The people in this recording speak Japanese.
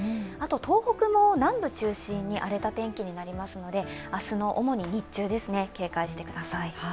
東北も南部中心に荒れた天気になりますので明日の主に日中、警戒してください